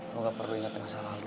lo gak perlu ingat masa lalu